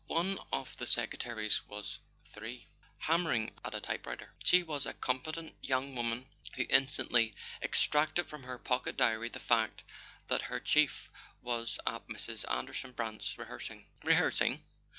One of the secretaries was there, hammering at a typewriter. She was a competent young woman, who instantly extracted from her pocket diary the fact that her chief was at Mrs. Anderson Brant's, rehearsing. " Rehearsing